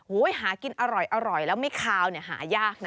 โห้ยหากินอร่อยแล้วไม่คาวเนี่ยหายากนะ